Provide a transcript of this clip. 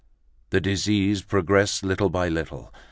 The disease progressed little by little.